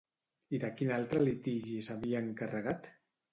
I de quin altre litigi s'havia encarregat?